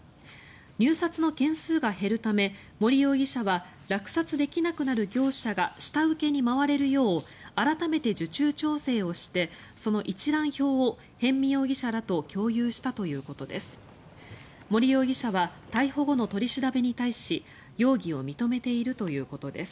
入札の件数が減るため森容疑者は落札できなくなる業者が下請けに回れるよう改めて受注調整をしてその一覧表を逸見容疑者らと共有したということです。